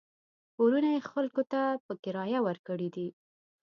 کورونه یې خلکو ته په کرایه ورکړي دي.